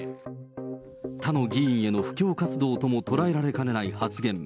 他の議員への布教活動とも捉えられかねない発言。